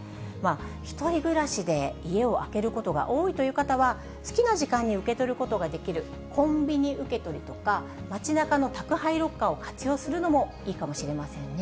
１人暮らしで家を空けることが多いという方は、好きな時間に受け取ることができるコンビニ受け取りとか、街なかの宅配ロッカーを活用するのもいいかもしれませんね。